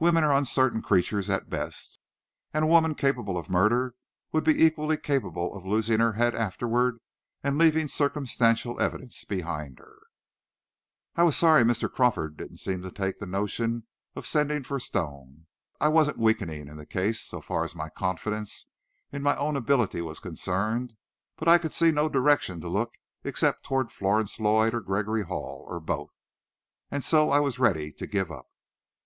Women are uncertain creatures, at best; and a woman capable of murder would be equally capable of losing her head afterward, and leaving circumstantial evidence behind her. I was sorry Mr. Crawford didn't seem to take to the notion of sending for Stone. I wasn't weakening in the case so far as my confidence in my own ability was concerned; but I could see no direction to look except toward Florence Lloyd or Gregory Hall, or both. And so I was ready to give up.